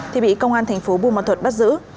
thì bị công an tp bùn ma thuật bắt giữ